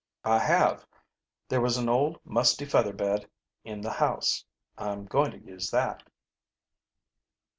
"I have. There was an old musty feather bed in the house. I'm going to use that."